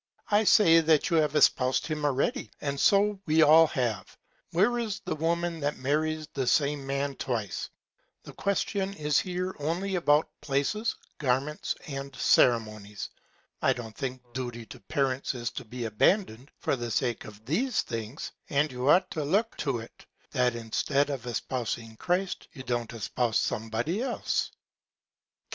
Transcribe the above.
I say, you have espous'd him already, and so we have all. Where is the Woman that marries the same Man twice? The Question is here only about Places, Garments and Ceremonies. I don't think Duty to Parents is to be abandon'd for the Sake of these Things; and you ought to look to it, that instead of espousing Christ, you don't espouse some Body else. Ca.